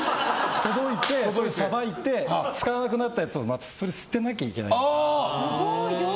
届いて、さばいて使わなくなったやつをそれを捨てなきゃいけない。